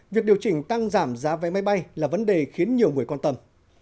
việc điều chỉnh tăng giảm giá vé máy bay là vấn đề khiến nhiều người quan tâm